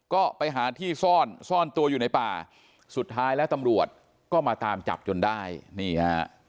ก็ไปหาที่ซ่อนซ่อนตัวอยู่ในป่าสุดท้ายแล้วตำรวจก็มาตามจับจนได้นี่ฮะ